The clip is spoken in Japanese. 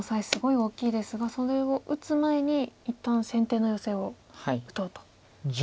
すごい大きいですがそれを打つ前に一旦先手のヨセを打とうと。